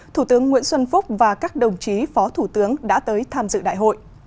thủ tướng nguyễn xuân phúc và các đồng chí phó thủ tướng đã tới tham dự đại hội